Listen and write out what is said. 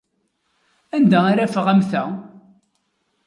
Anda ara afeɣ am ta?